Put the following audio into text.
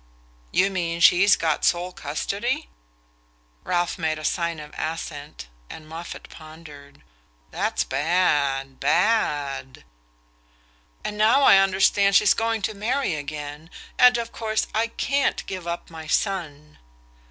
"You mean she's got sole custody?" Ralph made a sign of assent, and Moffatt pondered. "That's bad bad." "And now I understand she's going to marry again and of course I can't give up my son."